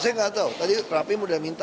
saya nggak tahu tadi rapim udah minta